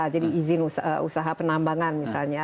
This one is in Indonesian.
jadi izin usaha penambangan misalnya